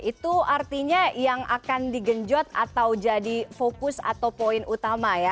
itu artinya yang akan digenjot atau jadi fokus atau poin utama ya